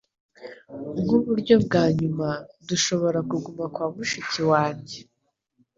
Nkuburyo bwa nyuma, dushobora kuguma kwa mushiki wanjye.